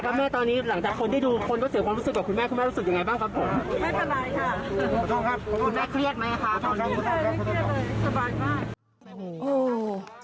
คุณแม่เครียดไหมคะเครียดเลยสบายมาก